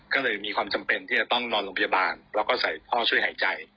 ก็เลยมีความจำเป็นที่จะต้องนอนโรงพยาบาลแล้วก็ใส่ท่อช่วยหายใจ